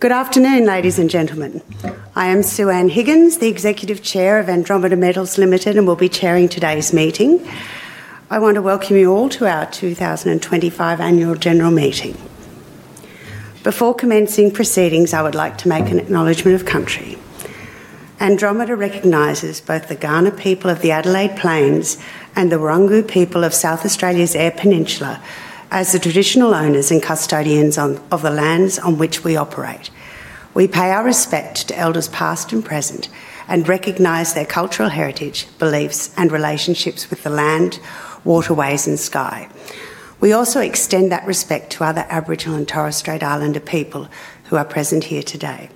Good afternoon, ladies and gentlemen. I am Sue-Ann Higgins, the Executive Chair of Andromeda Metals Limited, and will be chairing today's meeting. I want to welcome you all to our 2025 Annual General Meeting. Before commencing proceedings, I would like to make an acknowledgment of country. Andromeda recognizes both the Kaurna people of the Adelaide Plains and the Wurrungu people of South Australia's Eyre Peninsula as the traditional owners and custodians of the lands on which we operate. We pay our respect to Elders past and present and recognize their cultural heritage, beliefs, and relationships with the land, waterways, and sky. We also extend that respect to other Aboriginal and Torres Strait Islander people who are present here today.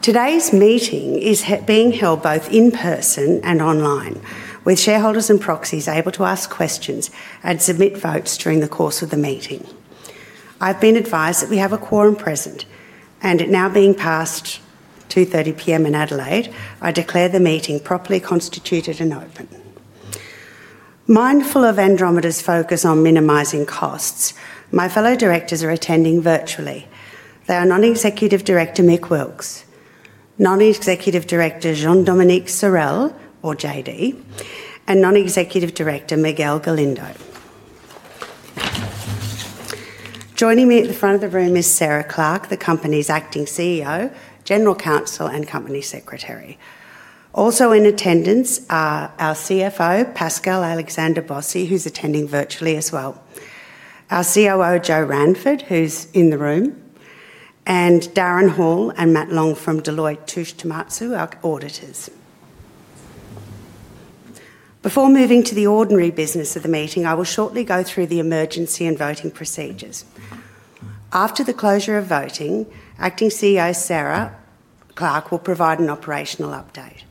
Today's meeting is being held both in person and online, with shareholders and proxies able to ask questions and submit votes during the course of the meeting. I've been advised that we have a quorum present, and it now being past 2:30 P.M. in Adelaide, I declare the meeting properly constituted and open. Mindful of Andromeda's focus on minimizing costs, my fellow directors are attending virtually. They are Non-Executive Director Mick Wilkes, Non-Executive Director Jean-Dominique Sorel, or JD, and Non-Executive Director Miguel Galindo. Joining me at the front of the room is Sarah Clarke, the company's Acting CEO, General Counsel, and Company Secretary. Also in attendance are our CFO, Pascal Alexander Bossi, who's attending virtually as well. Our COO, Joe Ranford, who's in the room, and Darren Hall and Matt Long from Deloitte Touche Tohmatsu, our auditors. Before moving to the ordinary business of the meeting, I will shortly go through the emergency and voting procedures. After the closure of voting, Acting CEO Sarah Clarke will provide an operational update.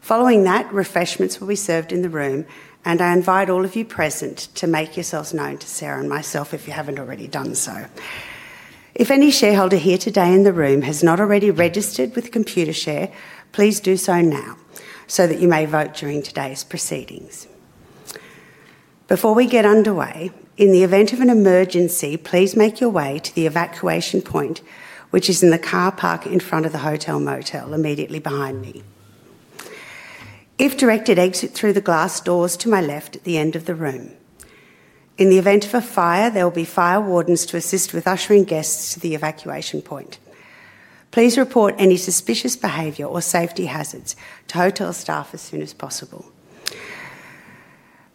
Following that, refreshments will be served in the room, and I invite all of you present to make yourselves known to Sarah and myself if you have not already done so. If any shareholder here today in the room has not already registered with Computershare, please do so now so that you may vote during today's proceedings. Before we get underway, in the event of an emergency, please make your way to the evacuation point, which is in the car park in front of the Hotel Motel, immediately behind me. If directed, exit through the glass doors to my left at the end of the room. In the event of a fire, there will be fire wardens to assist with ushering guests to the evacuation point. Please report any suspicious behavior or safety hazards to hotel staff as soon as possible.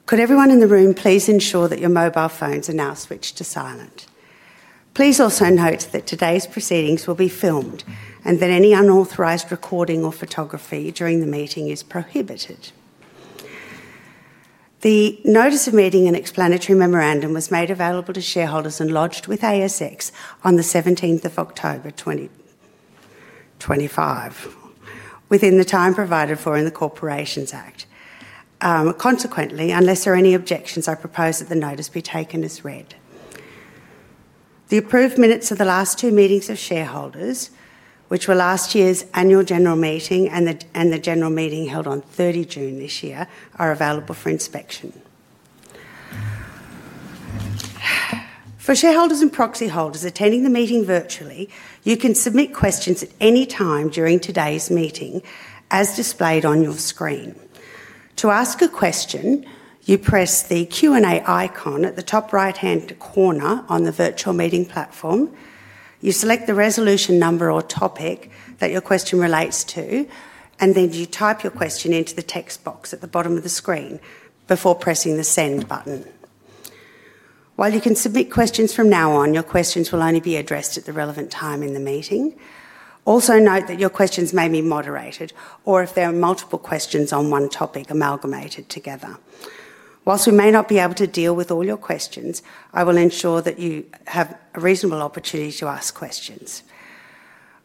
Could everyone in the room please ensure that your mobile phones are now switched to silent? Please also note that today's proceedings will be filmed and that any unauthorized recording or photography during the meeting is prohibited. The Notice of Meeting and Explanatory Memorandum was made available to shareholders and lodged with ASX on the 17th of October 2025, within the time provided for in the Corporations Act. Consequently, unless there are any objections, I propose that the notice be taken as read. The approved minutes of the last two meetings of shareholders, which were last year's Annual General Meeting and the General Meeting held on 30th June this year, are available for inspection. For shareholders and proxy holders attending the meeting virtually, you can submit questions at any time during today's meeting, as displayed on your screen. To ask a question, you press the Q&A icon at the top right-hand corner on the virtual meeting platform. You select the resolution number or topic that your question relates to, and then you type your question into the text box at the bottom of the screen before pressing the Send button. While you can submit questions from now on, your questions will only be addressed at the relevant time in the meeting. Also note that your questions may be moderated, or if there are multiple questions on one topic, amalgamated together. Whilst we may not be able to deal with all your questions, I will ensure that you have a reasonable opportunity to ask questions.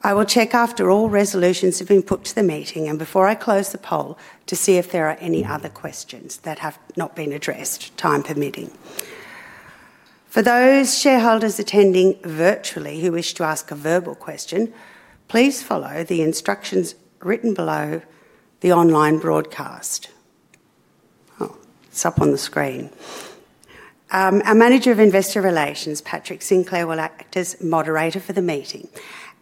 I will check after all resolutions have been put to the meeting and before I close the poll to see if there are any other questions that have not been addressed, time permitting. For those shareholders attending virtually who wish to ask a verbal question, please follow the instructions written below the online broadcast. It's up on the screen. Our Manager of Investor Relations, Patrick Sinclair, will act as moderator for the meeting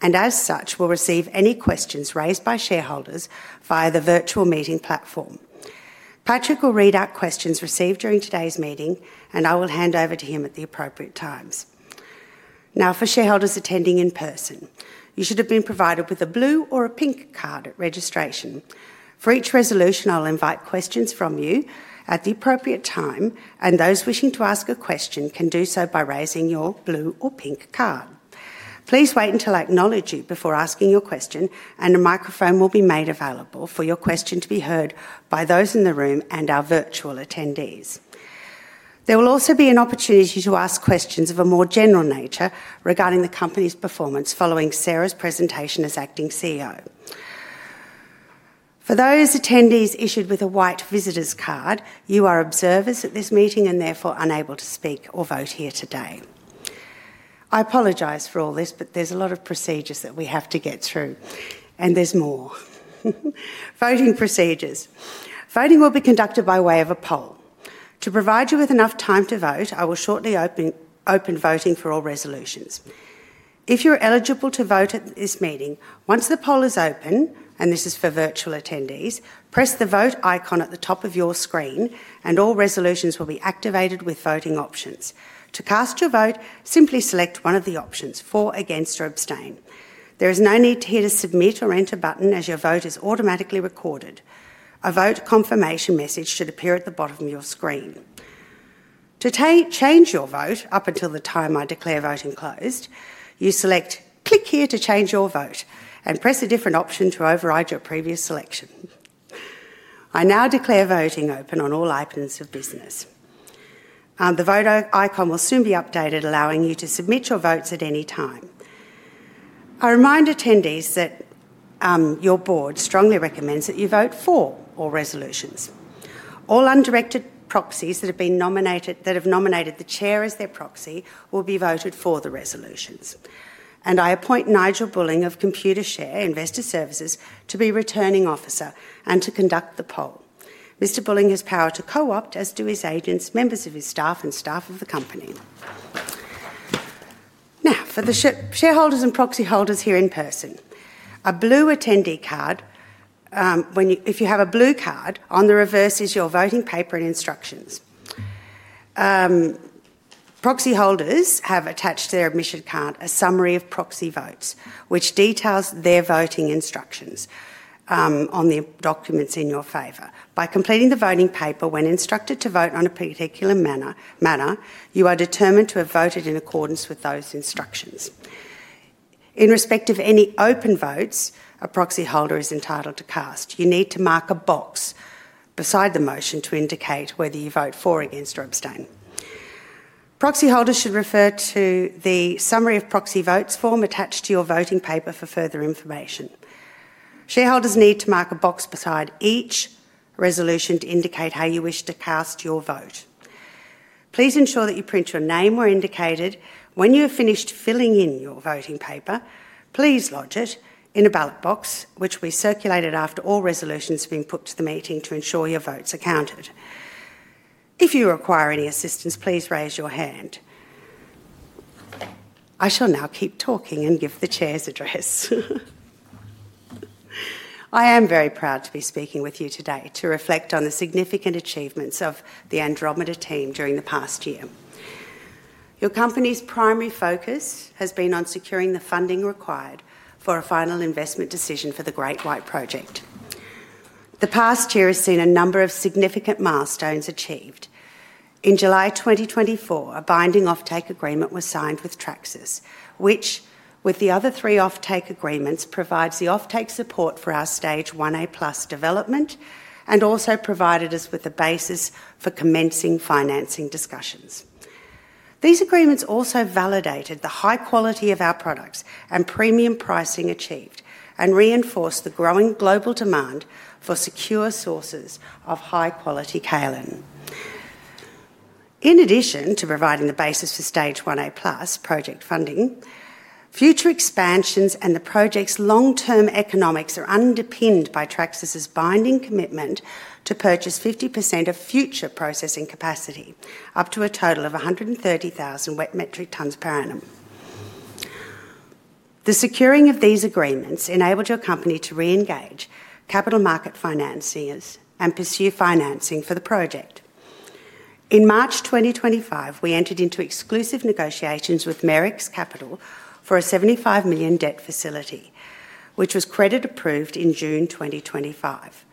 and, as such, will receive any questions raised by shareholders via the virtual meeting platform. Patrick will read out questions received during today's meeting, and I will hand over to him at the appropriate times. Now, for shareholders attending in person, you should have been provided with a blue or a pink card at registration. For each resolution, I'll invite questions from you at the appropriate time, and those wishing to ask a question can do so by raising your blue or pink card. Please wait until I acknowledge you before asking your question, and a microphone will be made available for your question to be heard by those in the room and our virtual attendees. There will also be an opportunity to ask questions of a more general nature regarding the company's performance following Sarah's presentation as Acting CEO. For those attendees issued with a white visitor's card, you are observers at this meeting and therefore unable to speak or vote here today. I apologize for all this, but there's a lot of procedures that we have to get through, and there's more. Voting procedures. Voting will be conducted by way of a poll. To provide you with enough time to vote, I will shortly open voting for all resolutions. If you're eligible to vote at this meeting, once the poll is open, and this is for virtual attendees, press the vote icon at the top of your screen, and all resolutions will be activated with voting options. To cast your vote, simply select one of the options, for, against, or abstain. There is no need to hit a submit or enter button, as your vote is automatically recorded. A vote confirmation message should appear at the bottom of your screen. To change your vote up until the time I declare voting closed, you select Click here to change your vote and press a different option to override your previous selection. I now declare voting open on all items of business. The vote icon will soon be updated, allowing you to submit your votes at any time. I remind attendees that your board strongly recommends that you vote for all resolutions. All undirected proxies that have nominated the chair as their proxy will be voted for the resolutions. I appoint Nigel Bulling of Computershare Investor Services to be returning officer and to conduct the poll. Mr. Bulling has power to co-opt, as do his agents, members of his staff, and staff of the company. For the shareholders and proxy holders here in person, a blue attendee card, if you have a blue card, on the reverse is your voting paper and instructions. Proxy holders have attached to their admission card a summary of proxy votes, which details their voting instructions on the documents in your favor. By completing the voting paper when instructed to vote on a particular matter, you are determined to have voted in accordance with those instructions. In respect of any open votes, a proxy holder is entitled to cast. You need to mark a box beside the motion to indicate whether you vote for, against, or abstain. Proxy holders should refer to the summary of proxy votes form attached to your voting paper for further information. Shareholders need to mark a box beside each resolution to indicate how you wish to cast your vote. Please ensure that you print your name where indicated. When you have finished filling in your voting paper, please lodge it in a ballot box, which we circulated after all resolutions have been put to the meeting, to ensure your votes are counted. If you require any assistance, please raise your hand. I shall now keep talking and give the chair's address. I am very proud to be speaking with you today to reflect on the significant achievements of the Andromeda team during the past year. Your company's primary focus has been on securing the funding required for a final investment decision for the Great White Project. The past year has seen a number of significant milestones achieved. In July 2024, a binding offtake agreement was signed with Traxys, which, with the other three offtake agreements, provides the offtake support for our Stage 1A+ development and also provided us with a basis for commencing financing discussions. These agreements also validated the high quality of our products and premium pricing achieved and reinforced the growing global demand for secure sources of high quality kaolin. In addition to providing the basis for Stage 1A+ project funding, future expansions and the project's long-term economics are underpinned by Traxys's binding commitment to purchase 50% of future processing capacity, up to a total of 130,000 wet metric tonnes per annum. The securing of these agreements enabled your company to re-engage capital market financiers and pursue financing for the project. In March 2025, we entered into exclusive negotiations with Merricks Capital for an 75 million debt facility, which was credit-approved in June 2025.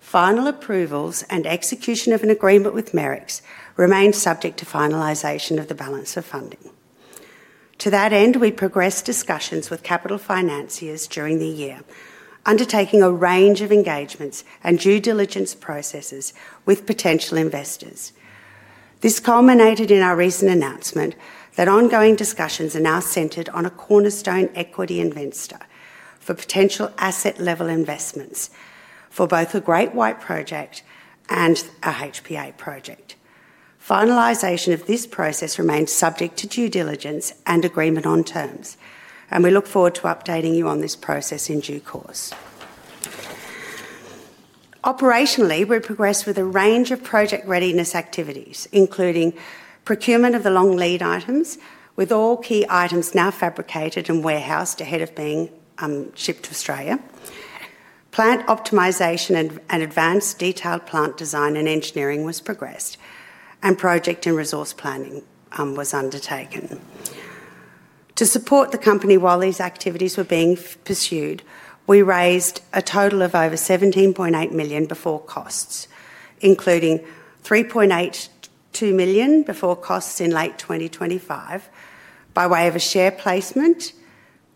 Final approvals and execution of an agreement with Merricks remain subject to finalisation of the balance of funding. To that end, we progressed discussions with capital financiers during the year, undertaking a range of engagements and due diligence processes with potential investors. This culminated in our recent announcement that ongoing discussions are now centred on a Cornerstone Equity Investor for potential asset-level investments for both a Great White Project and a HPA Project. Finalization of this process remains subject to due diligence and agreement on terms, and we look forward to updating you on this process in due course. Operationally, we progressed with a range of project readiness activities, including procurement of the long lead items, with all key items now fabricated and warehoused ahead of being shipped to Australia. Plant optimization and advanced detailed plant design and engineering was progressed, and project and resource planning was undertaken. To support the company while these activities were being pursued, we raised a total of over 17.8 million before costs, including 3.82 million before costs in late 2025 by way of a share placement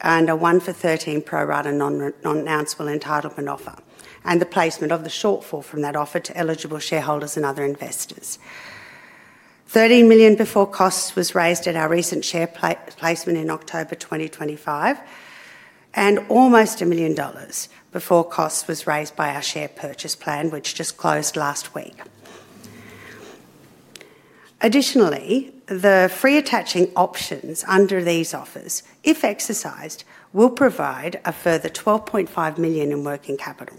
and a 1 for 13 pro rata non-announceable entitlement offer, and the placement of the shortfall from that offer to eligible shareholders and other investors. 13 million before costs was raised at our recent share placement in October 2025, and almost 1 million dollars before costs was raised by our share purchase plan, which just closed last week. Additionally, the free attaching options under these offers, if exercised, will provide a further 12.5 million in working capital.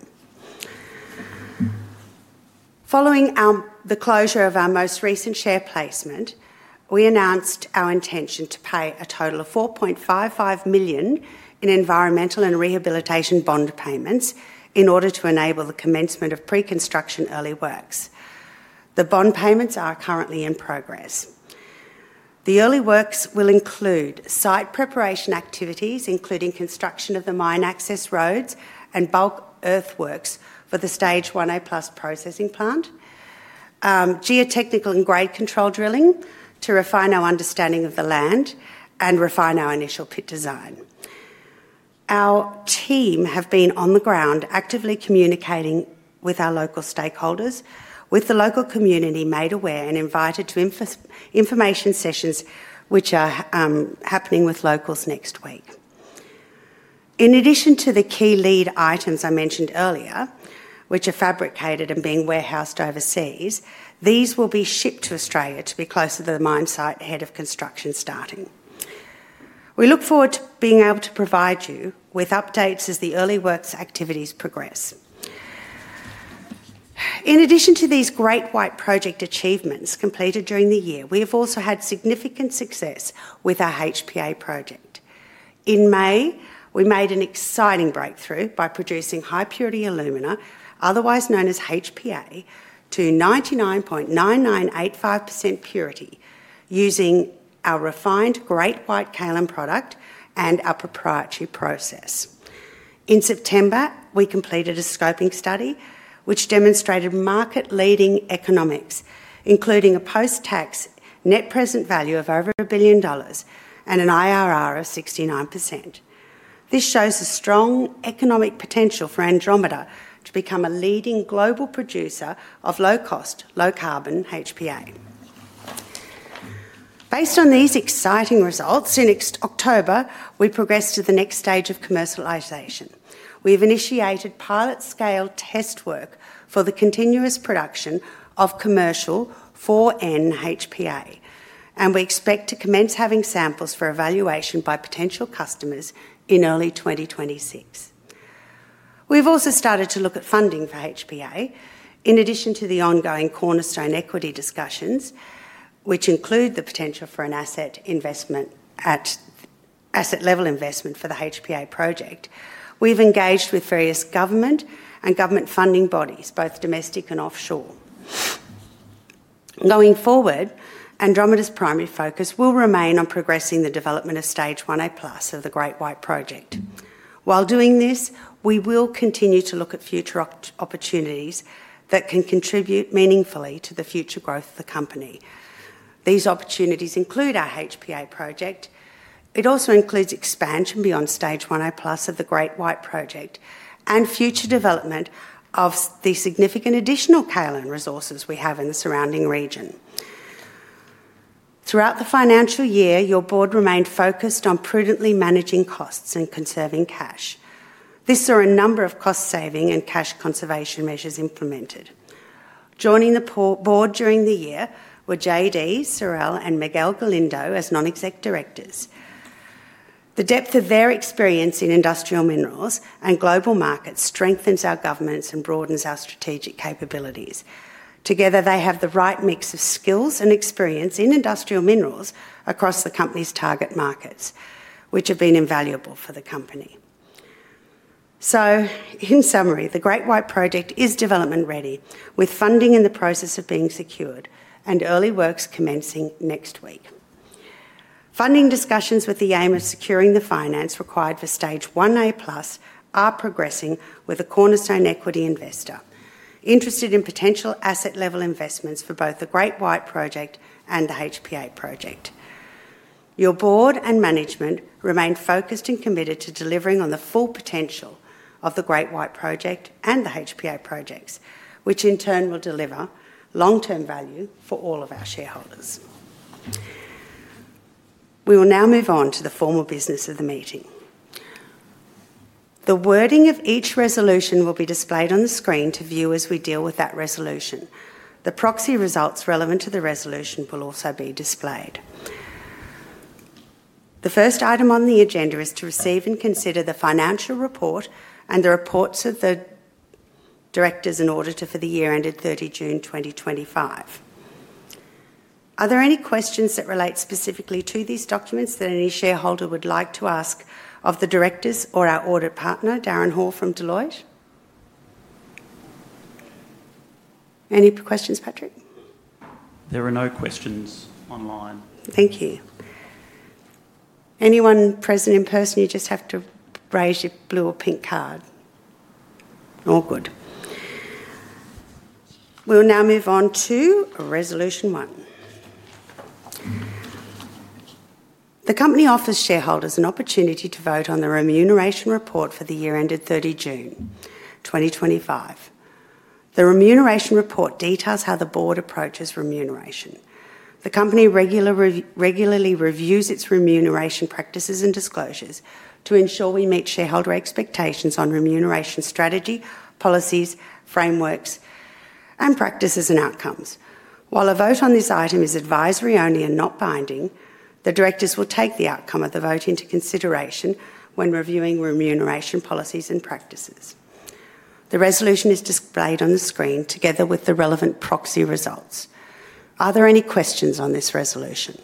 Following the closure of our most recent share placement, we announced our intention to pay a total of 4.55 million in environmental and rehabilitation bond payments in order to enable the commencement of pre-construction early works. The bond payments are currently in progress. The early works will include site preparation activities, including construction of the mine access roads and bulk earthworks for the Stage 1A+ processing plant, geotechnical and grade control drilling to refine our understanding of the land and refine our initial pit design. Our team have been on the ground actively communicating with our local stakeholders, with the local community made aware and invited to information sessions which are happening with locals next week. In addition to the key lead items I mentioned earlier, which are fabricated and being warehoused overseas, these will be shipped to Australia to be closer to the mine site ahead of construction starting. We look forward to being able to provide you with updates as the early works activities progress. In addition to these Great White Project achievements completed during the year, we have also had significant success with our HPA Project. In May, we made an exciting breakthrough by producing High-Purity Alumina, otherwise known as HPA, to 99.9985% purity using our refined Great White Kaolin product and our proprietary process. In September, we completed a scoping study which demonstrated market-leading economics, including a post-tax net present value of over $1 billion and an IRR of 69%. This shows a strong economic potential for Andromeda to become a leading global producer of low-cost, low-carbon HPA. Based on these exciting results, in October, we progressed to the next stage of commercialisation. We have initiated pilot-scale test work for the continuous production of commercial 4N HPA, and we expect to commence having samples for evaluation by potential customers in early 2026. We've also started to look at funding for HPA. In addition to the ongoing Cornerstone equity discussions, which include the potential for an asset investment at asset level investment for the HPA Project, we've engaged with various government and government funding bodies, both domestic and offshore. Going forward, Andromeda's primary focus will remain on progressing the development of Stage 1A+ of the Great White Project. While doing this, we will continue to look at future opportunities that can contribute meaningfully to the future growth of the company. These opportunities include our HPA Project. It also includes expansion beyond Stage 1A+ of the Great White Project and future development of the significant additional kaolin resources we have in the surrounding region. Throughout the financial year, your board remained focused on prudently managing costs and conserving cash. This saw a number of cost-saving and cash conservation measures implemented. Joining the board during the year were JD Sorel, and Miguel Galindo as Non-Exec Directors. The depth of their experience in industrial minerals and global markets strengthens our governance and broadens our strategic capabilities. Together, they have the right mix of skills and experience in industrial minerals across the company's target markets, which have been invaluable for the company. In summary, the Great White Project is development-ready, with funding in the process of being secured and early works commencing next week. Funding discussions with the aim of securing the finance required for Stage 1A+ are progressing with a Cornerstone Equity Investor interested in potential asset-level investments for both the Great White Project and the HPA Project. Your board and management remain focused and committed to delivering on the full potential of the Great White Project and the HPA Projects, which in turn will deliver long-term value for all of our shareholders. We will now move on to the formal business of the meeting. The wording of each resolution will be displayed on the screen to view as we deal with that resolution. The proxy results relevant to the resolution will also be displayed. The first item on the agenda is to receive and consider the financial report and the reports of the Directors and Auditor for the year ended 30 June 2025. Are there any questions that relate specifically to these documents that any shareholder would like to ask of the Directors or our audit partner, Darren Hall from Deloitte? Any questions, Patrick? There are no questions online. Thank you. Anyone present in person, you just have to raise your blue or pink card. All good. We'll now move on to resolution one. The company offers shareholders an opportunity to vote on the remuneration report for the year ended 30 June 2025. The remuneration report details how the board approaches remuneration. The company regularly reviews its remuneration practices and disclosures to ensure we meet shareholder expectations on remuneration strategy, policies, frameworks, and practices and outcomes. While a vote on this item is advisory only and not binding, the Directors will take the outcome of the vote into consideration when reviewing remuneration policies and practices. The resolution is displayed on the screen together with the relevant proxy results. Are there any questions on this resolution?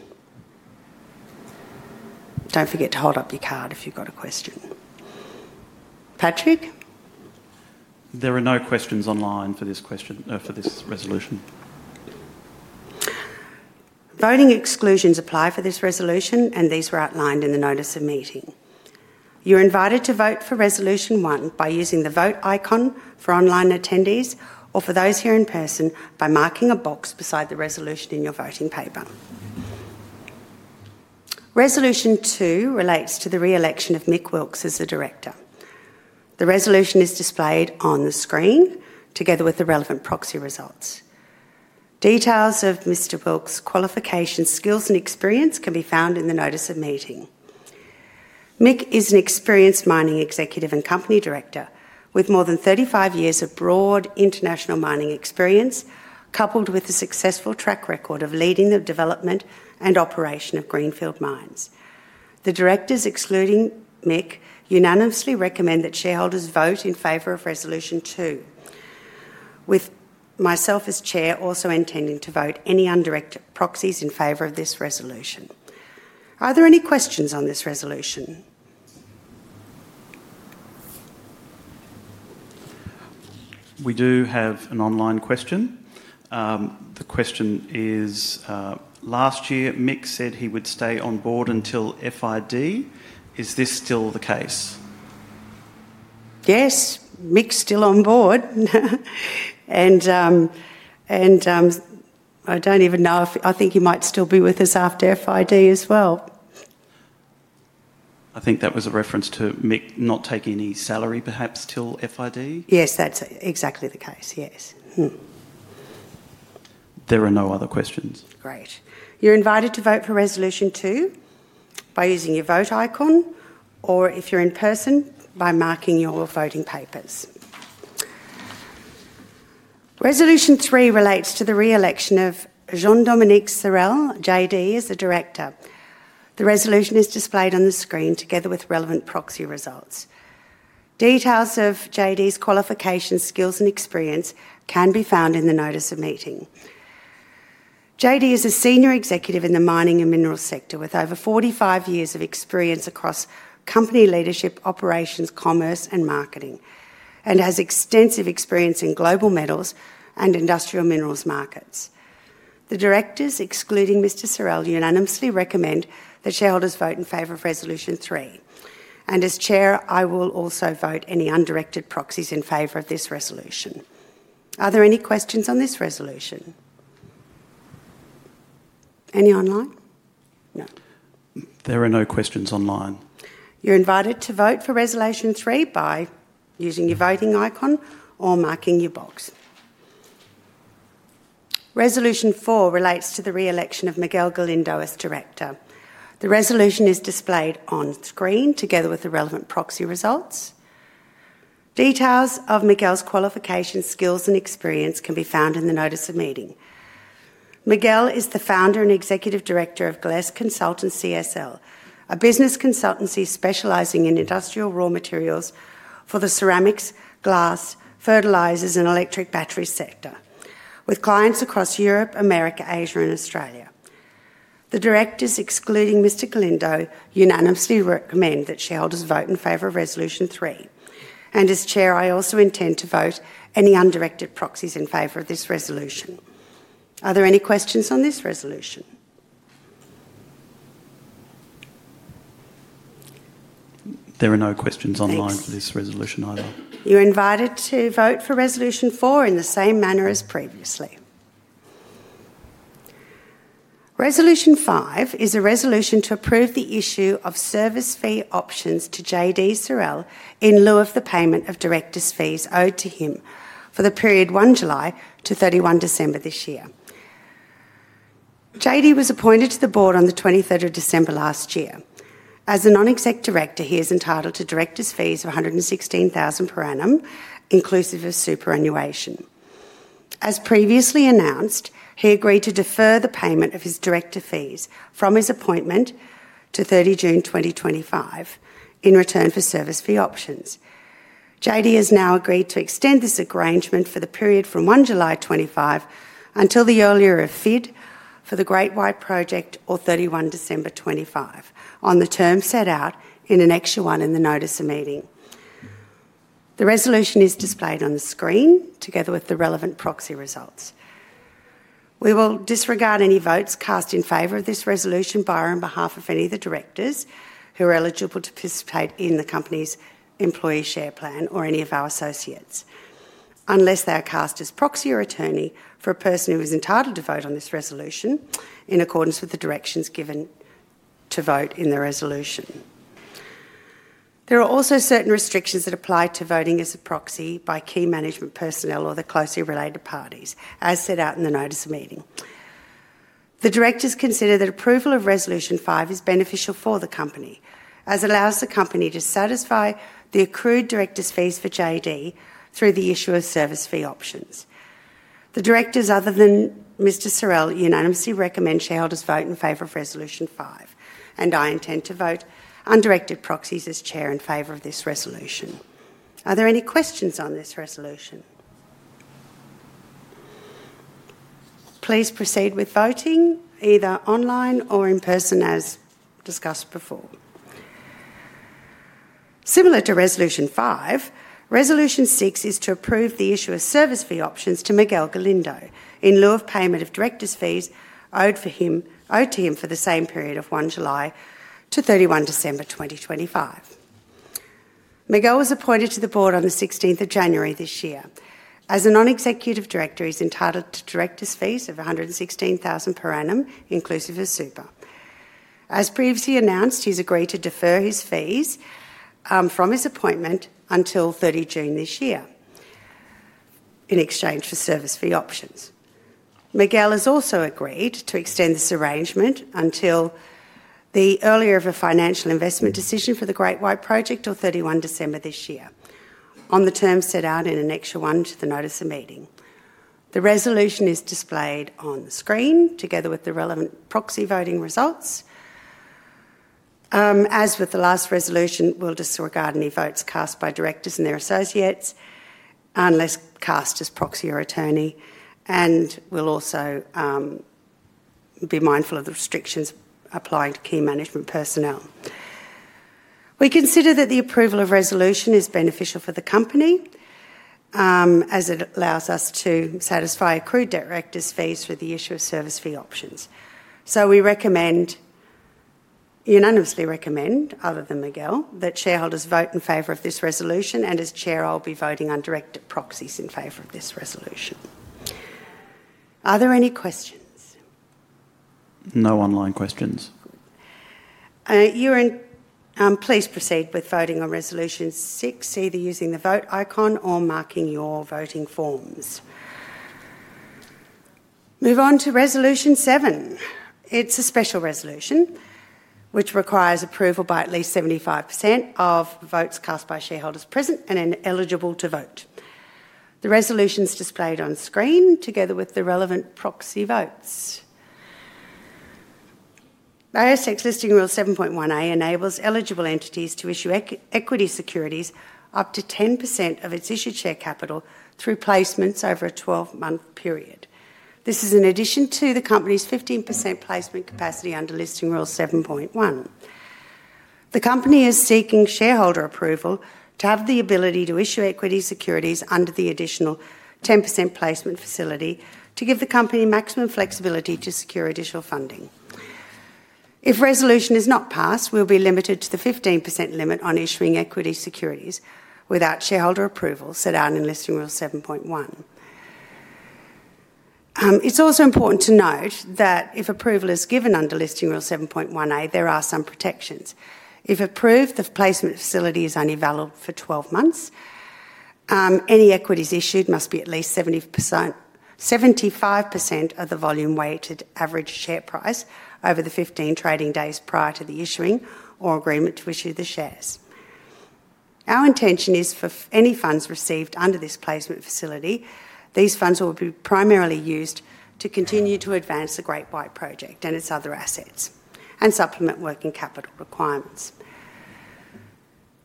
Don't forget to hold up your card if you've got a question. Patrick? There are no questions online for this question for this resolution. Voting exclusions apply for this resolution, and these were outlined in the notice of meeting. You're invited to vote for resolution one by using the vote icon for online attendees or for those here in person by marking a box beside the resolution in your voting paper. Resolution two relates to the re-election of Mick Wilkes as the director. The resolution is displayed on the screen together with the relevant proxy results. Details of Mr. Wilkes' qualifications, skills, and experience can be found in the notice of meeting. Mick is an experienced mining executive and company director with more than 35 years of broad international mining experience, coupled with a successful track record of leading the development and operation of Greenfield Mines. The Directors, excluding Mick, unanimously recommend that shareholders vote in favor of resolution two, with myself as Chair also intending to vote any undirected proxies in favor of this resolution. Are there any questions on this resolution? We do have an online question. The question is, last year, Mick said he would stay on board until FID. Is this still the case? Yes, Mick's still on board. I don't even know if I think he might still be with us after FID as well. I think that was a reference to Mick not taking any salary, perhaps till FID. Yes, that's exactly the case. Yes. There are no other questions. Great. You're invited to vote for resolution two by using your vote icon or, if you're in person, by marking your voting papers. Resolution three relates to the re-election of Jean-Dominique Sorel, JD, as the Director. The resolution is displayed on the screen together with relevant proxy results. Details of JD's qualifications, skills, and experience can be found in the notice of meeting. JD is a senior executive in the mining and mineral sector with over 45 years of experience across company leadership, operations, commerce, and marketing, and has extensive experience in global metals and industrial minerals markets. The Directors, excluding Mr. Sorel, unanimously recommend that shareholders vote in favor of resolution three. As Chair, I will also vote any undirected proxies in favor of this resolution. Are there any questions on this resolution? Any online? No. There are no questions online. You're invited to vote for resolution three by using your voting icon or marking your box. Resolution four relates to the re-election of Miguel Galindo as Director. The resolution is displayed on screen together with the relevant proxy results. Details of Miguel's qualifications, skills, and experience can be found in the notice of meeting. Miguel is the founder and executive director of Glass Consultants CSL, a business consultancy specializing in industrial raw materials for the ceramics, glass, fertilizers, and electric battery sector, with clients across Europe, America, Asia, and Australia. The Directors, excluding Mr. Galindo, unanimously recommend that shareholders vote in favor of resolution three. As Chair, I also intend to vote any undirected proxies in favor of this resolution. Are there any questions on this resolution? There are no questions online for this resolution either. You're invited to vote for resolution four in the same manner as previously. Resolution five is a resolution to approve the issue of service fee options to JD Sorel in lieu of the payment of director's fees owed to him for the period 1 July to 31 December this year. JD was appointed to the board on the 23rd of December last year. As a Non-Exec Director, he is entitled to director's fees of 116,000 per annum, inclusive of superannuation. As previously announced, he agreed to defer the payment of his director fees from his appointment to 30 June 2025 in return for service fee options. JD has now agreed to extend this arrangement for the period from 1 July 2025 until the earlier of FID for the Great White Project or 31 December 2025 on the term set out in an extra one in the notice of meeting. The resolution is displayed on the screen together with the relevant proxy results. We will disregard any votes cast in favor of this resolution by or on behalf of any of the Directors who are eligible to participate in the company's employee share plan or any of our associates, unless they are cast as proxy or attorney for a person who is entitled to vote on this resolution in accordance with the directions given to vote in the resolution. There are also certain restrictions that apply to voting as a proxy by key management personnel or the closely related parties, as set out in the notice of meeting. The Directors consider that approval of resolution five is beneficial for the company, as it allows the company to satisfy the accrued director's fees for JD through the issue of service fee options. The Directors, other than Mr. Sorel unanimously recommend shareholders vote in favor of resolution five, and I intend to vote undirected proxies as Chair in favor of this resolution. Are there any questions on this resolution? Please proceed with voting either online or in person as discussed before. Similar to resolution five, resolution six is to approve the issue of service fee options to Miguel Galindo in lieu of payment of director's fees owed to him for the same period of 1 July to 31 December 2025. Miguel was appointed to the board on the 16th of January this year. As a Non-Executive Director, he's entitled to director's fees of 116,000 per annum, inclusive of super. As previously announced, he's agreed to defer his fees from his appointment until 30 June this year in exchange for service fee options. Miguel has also agreed to extend this arrangement until the earlier of a financial investment decision for the Great White Project or 31 December this year, on the terms set out in an extra one to the notice of meeting. The resolution is displayed on the screen together with the relevant proxy voting results. As with the last resolution, we will disregard any votes cast by directors and their associates unless cast as proxy or attorney, and we will also be mindful of the restrictions applying to key management personnel. We consider that the approval of resolution is beneficial for the company as it allows us to satisfy accrued directors' fees for the issue of service fee options. We recommend, unanimously recommend, other than Miguel, that shareholders vote in favor of this resolution, and as Chair, I will be voting on direct proxies in favor of this resolution. Are there any questions? No online questions. Please proceed with voting on resolution six, either using the vote icon or marking your voting forms. Move on to resolution seven. It's a special resolution which requires approval by at least 75% of votes cast by shareholders present and eligible to vote. The resolution is displayed on screen together with the relevant proxy votes. ASX Listing Rule 7.1A enables eligible entities to issue equity securities up to 10% of its issued share capital through placements over a 12-month period. This is in addition to the company's 15% placement capacity under Listing Rule 7.1. The company is seeking shareholder approval to have the ability to issue equity securities under the additional 10% placement facility to give the company maximum flexibility to secure additional funding. If resolution is not passed, we'll be limited to the 15% limit on issuing equity securities without shareholder approval set out in Listing Rule 7.1. It's also important to note that if approval is given under Listing Rule 7.1A, there are some protections. If approved, the placement facility is only valid for 12 months. Any equities issued must be at least 75% of the volume-weighted average share price over the 15 trading days prior to the issuing or agreement to issue the shares. Our intention is for any funds received under this placement facility, these funds will be primarily used to continue to advance the Great White Project and its other assets and supplement working capital requirements.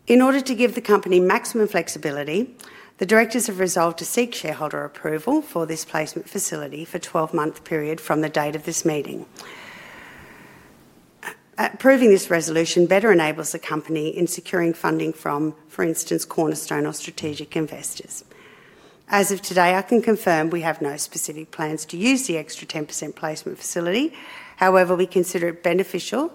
In order to give the company maximum flexibility, the Directors have resolved to seek shareholder approval for this placement facility for a 12-month period from the date of this meeting. Approving this resolution better enables the company in securing funding from, for instance, Cornerstone or strategic investors. As of today, I can confirm we have no specific plans to use the extra 10% placement facility. However, we consider it beneficial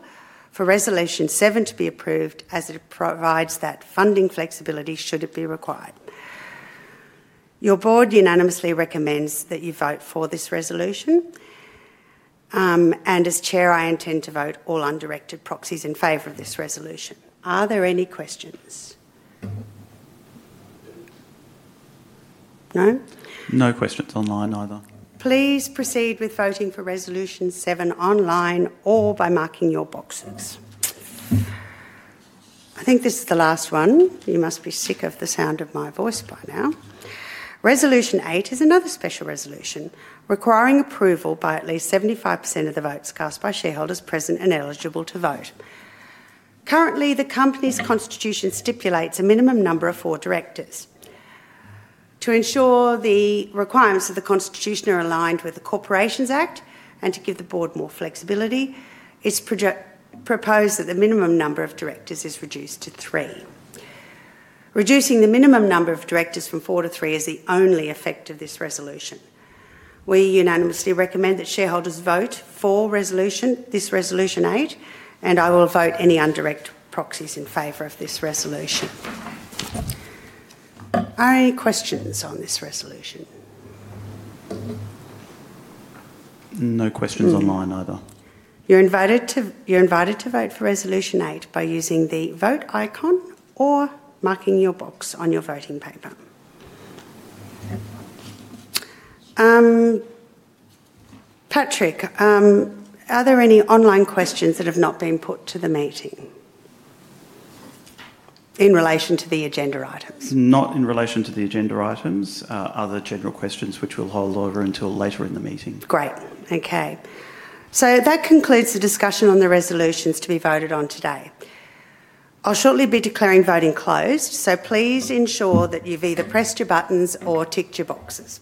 for resolution seven to be approved, as it provides that funding flexibility should it be required. Your board unanimously recommends that you vote for this resolution, and as Chair, I intend to vote all undirected proxies in favor of this resolution. Are there any questions? No? No questions online either. Please proceed with voting for resolution seven online or by marking your boxes. I think this is the last one. You must be sick of the sound of my voice by now. Resolution eight is another special resolution requiring approval by at least 75% of the votes cast by shareholders present and eligible to vote. Currently, the company's constitution stipulates a minimum number of four directors. To ensure the requirements of the constitution are aligned with the Corporations Act and to give the board more flexibility, it's proposed that the minimum number of directors is reduced to three. Reducing the minimum number of directors from four to three is the only effect of this resolution. We unanimously recommend that shareholders vote for this resolution eight, and I will vote any undirected proxies in favor of this resolution. Are there any questions on this resolution? No questions online either. You're invited to vote for resolution eight by using the vote icon or marking your box on your voting paper. Patrick, are there any online questions that have not been put to the meeting in relation to the agenda items? Not in relation to the agenda items. Other general questions which we'll hold over until later in the meeting. Great. Okay. That concludes the discussion on the resolutions to be voted on today. I'll shortly be declaring voting closed, so please ensure that you've either pressed your buttons or ticked your boxes.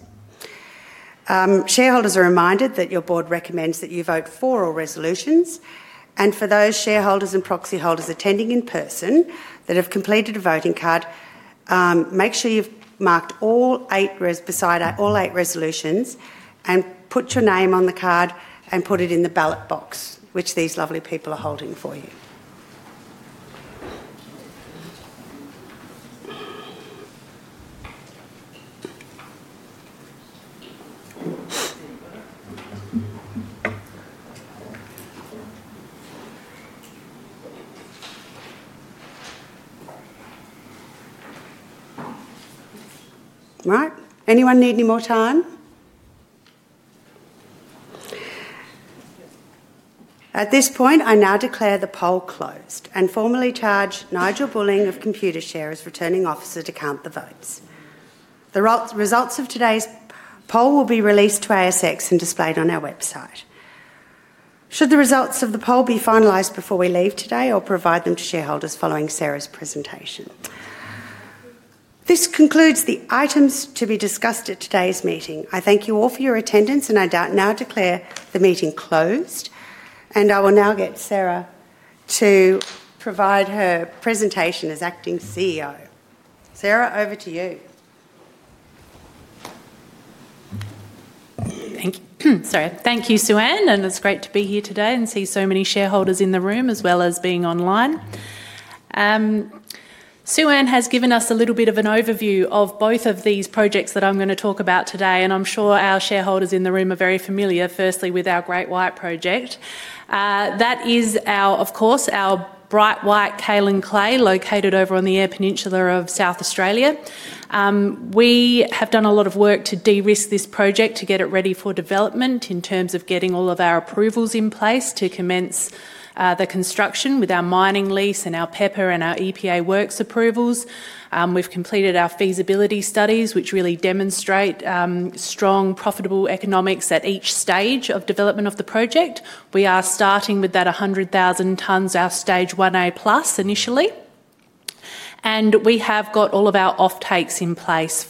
Shareholders are reminded that your board recommends that you vote for all resolutions. For those shareholders and proxy holders attending in person that have completed a voting card, make sure you've marked all eight resolutions and put your name on the card, and put it in the ballot box which these lovely people are holding for you. Right. Anyone need any more time? At this point, I now declare the poll closed and formally charge Nigel Bulling of Computershare as returning officer to count the votes. The results of today's poll will be released to ASX and displayed on our website. Should the results of the poll be finalized before we leave today, or provide them to shareholders following Sarah's presentation? This concludes the items to be discussed at today's meeting. I thank you all for your attendance, and I now declare the meeting closed. And I will now get Sarah to provide her presentation as Acting CEO. Sarah, over to you. Thank you. Sorry. Thank you, Sue-Ann, and it's great to be here today and see so many shareholders in the room as well as being online. Sue-Ann has given us a little bit of an overview of both of these projects that I'm going to talk about today, and I'm sure our shareholders in the room are very familiar, firstly, with our Great White Project. That is, of course, our Bright White Kaolin clay located over on the Eyre Peninsula of South Australia. We have done a lot of work to de-risk this project to get it ready for development in terms of getting all of our approvals in place to commence the construction with our mining lease and our PEPR, and our EPA works approvals. We've completed our feasibility studies, which really demonstrate strong, profitable economics at each stage of development of the project. We are starting with that 100,000 tons, our stage 1A plus initially, and we have got all of our offtakes in place to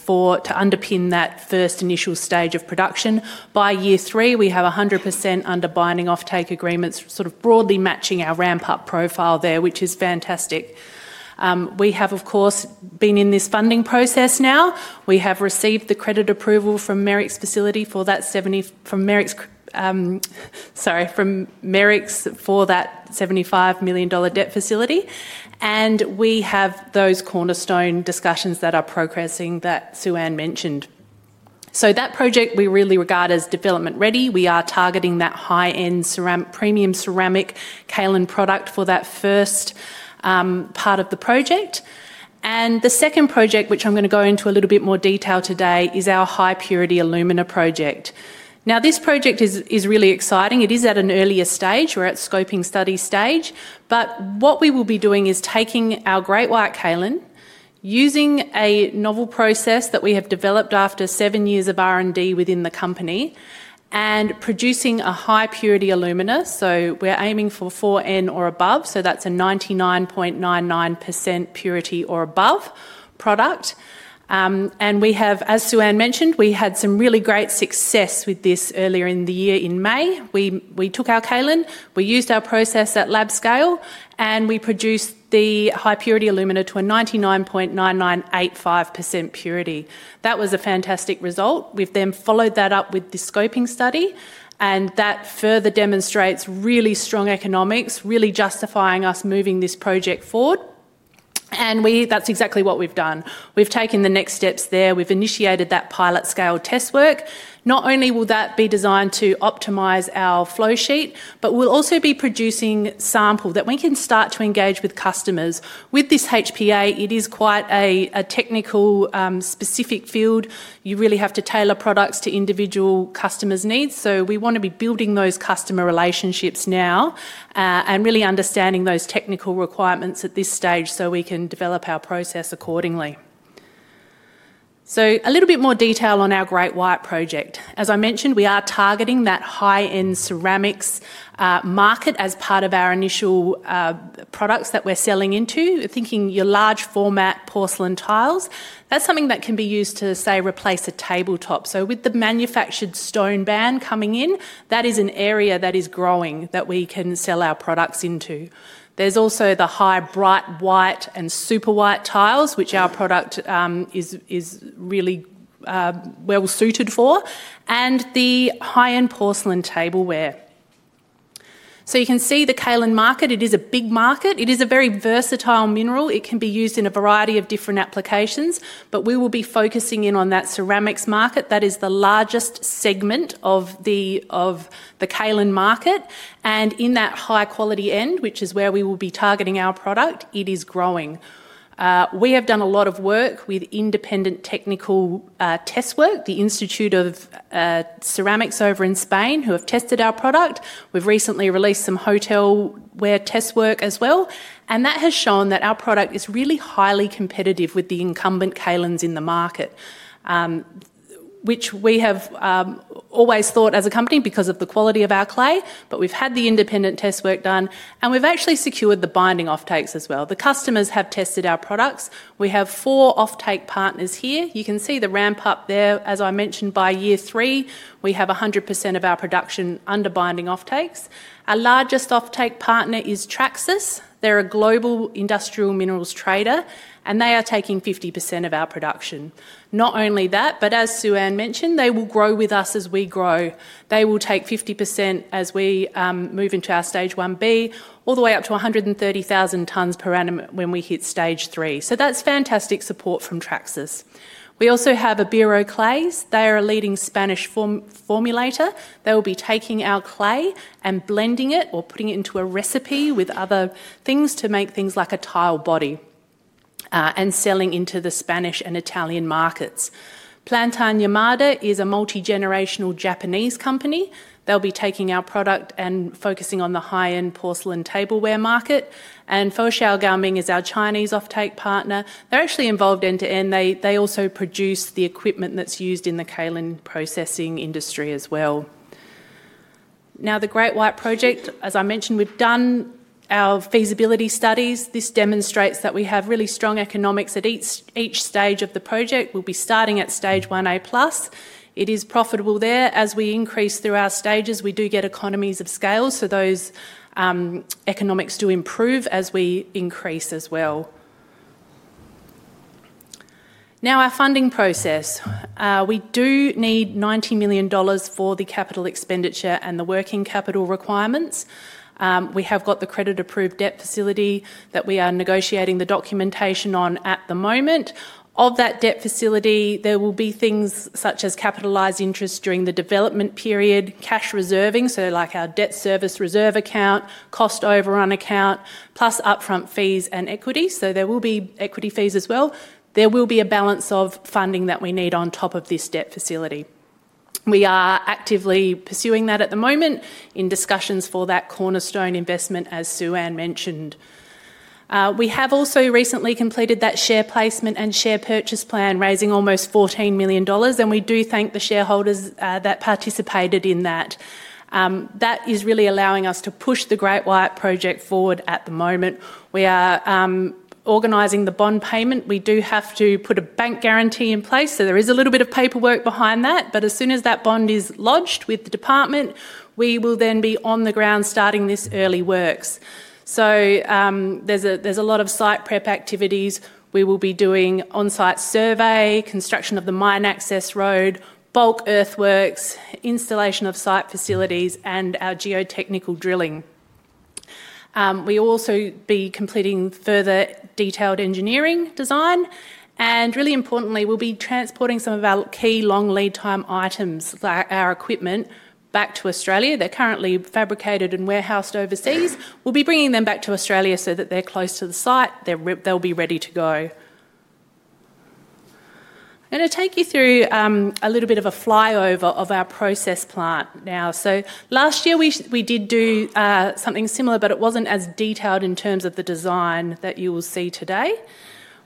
underpin that first initial stage of production. By year three, we have 100% under binding offtake agreements, sort of broadly matching our ramp-up profile there, which is fantastic. We have, of course, been in this funding process now. We have received the credit approval from Merricks facility for that 75 million dollar debt facility, and we have those Cornerstone discussions that are progressing that Sue-Ann mentioned. That project we really regard as development-ready. We are targeting that high-end, premium ceramic kaolin product for that first part of the project. The second project, which I'm going to go into a little bit more detail today, is our high-purity alumina project. This project is really exciting. It is at an earlier stage. We're at scoping study stage, but what we will be doing is taking our Great White Kaolin, using a novel process that we have developed after seven years of R&D within the company, and producing a high-purity alumina. We're aiming for 4N or above. That's a 99.99% purity or above product. As Sue-Ann mentioned, we had some really great success with this earlier in the year in May. We took our kaolin, we used our process at lab scale, and we produced the high-purity alumina to a 99.9985% purity. That was a fantastic result. We have then followed that up with the scoping study, and that further demonstrates really strong economics, really justifying us moving this project forward. That is exactly what we have done. We have taken the next steps there. We have initiated that pilot-scale test work. Not only will that be designed to optimize our flowsheet, but we will also be producing sample that we can start to engage with customers. With this HPA, it is quite a technical-specific field. You really have to tailor products to individual customers' needs. We want to be building those customer relationships now and really understanding those technical requirements at this stage, so we can develop our process accordingly. A little bit more detail on our Great White Project. As I mentioned, we are targeting that high-end ceramics market as part of our initial products that we're selling into, thinking your large-format porcelain tiles. That's something that can be used to, say, replace a tabletop. With the manufactured stone ban coming in, that is an area that is growing that we can sell our products into. There's also the high Bright White and Super-White tiles, which our product is really well suited for, and the high-end porcelain tableware. You can see the kaolin market. It is a big market. It is a very versatile mineral. It can be used in a variety of different applications, but we will be focusing in on that ceramics market. That is the largest segment of the kaolin market. In that high-quality end, which is where we will be targeting our product, it is growing. We have done a lot of work with independent technical test work, the Institute of Ceramic over in Spain, who have tested our product. We've recently released some hotelware test work as well, and that has shown that our product is really highly competitive with the incumbent kaolins in the market, which we have always thought as a company because of the quality of our clay. We've had the independent test work done, and we've actually secured the binding offtakes as well. The customers have tested our products. We have four offtake partners here. You can see the ramp-up there. As I mentioned, by year three, we have 100% of our production under binding offtakes. Our largest offtake partner is Traxys. They're a global industrial minerals trader, and they are taking 50% of our production. Not only that, but as Sue-Ann mentioned, they will grow with us as we grow. They will take 50% as we move into our stage 1B, all the way up to 130,000 tons per annum when we hit stage three. That is fantastic support from Traxys. We also have Abiro Clays. They are a leading Spanish formulator. They will be taking our clay and blending it or putting it into a recipe with other things to make things like a tile body and selling into the Spanish and Italian markets. Planta Yamada is a multi-generational Japanese company. They'll be taking our product and focusing on the high-end porcelain tableware market. Foshan Guming is our Chinese offtake partner. They're actually involved end-to-end. They also produce the equipment that's used in the kaolin processing industry as well. Now, the Great White Project, as I mentioned, we've done our feasibility studies. This demonstrates that we have really strong economics at each stage of the project. We'll be starting at stage 1A plus. It is profitable there. As we increase through our stages, we do get economies of scale. Those economics do improve as we increase as well. Now, our funding process. We do need 90 million dollars for the capital expenditure and the working capital requirements. We have got the credit-approved debt facility that we are negotiating the documentation on at the moment. Of that debt facility, there will be things such as capitalized interest during the development period, cash reserving, like our debt service reserve account, cost overrun account, plus upfront fees and equity. There will be equity fees as well. There will be a balance of funding that we need on top of this debt facility. We are actively pursuing that at the moment in discussions for that Cornerstone investment, as Sue-Ann mentioned. We have also recently completed that share placement and share purchase plan, raising almost 14 million dollars, and we do thank the shareholders that participated in that. That is really allowing us to push the Great White Project forward at the moment. We are organizing the bond payment. We do have to put a bank guarantee in place, so there is a little bit of paperwork behind that. As soon as that bond is lodged with the department, we will then be on the ground starting this early works. There is a lot of site prep activities. We will be doing on-site survey, construction of the mine access road, bulk earthworks, installation of site facilities, and our geotechnical drilling. We will also be completing further detailed engineering design. Really importantly, we'll be transporting some of our key long lead-time items, our equipment, back to Australia. They are currently fabricated and warehoused overseas. We'll be bringing them back to Australia so that they are close to the site. They will be ready to go. I'm going to take you through a little bit of a flyover of our process plant now. Last year, we did do something similar, but it was not as detailed in terms of the design that you will see today.